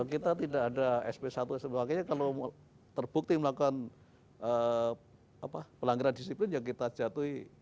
kalau kita tidak ada sp satu sp dua makanya kalau terbukti melakukan pelanggaran disiplin ya kita jatuhi